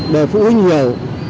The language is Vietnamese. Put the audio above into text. để phụ huynh hiểu